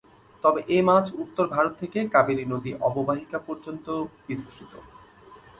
তবে এ মাছ উত্তর ভারত থেকে কাবেরী নদী অববাহিকা পর্যন্ত বিস্তৃত।